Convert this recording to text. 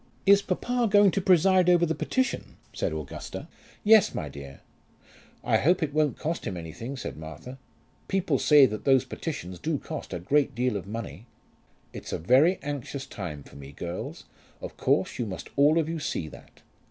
"Is papa going to preside over the petition?" asked Augusta. "Yes, my dear." "I hope it won't cost him anything," said Martha. "People say that those petitions do cost a great deal of money." "It's a very anxious time for me, girls; of course, you must all of you see that.